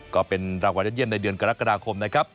ก็เป็นรางวัลยอดเยี่ยมในเดือนกรกฎาคมนะครับ